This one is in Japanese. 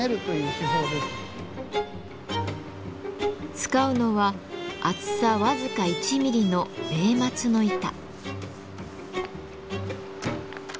使うのは厚さ僅か１ミリの米松の板。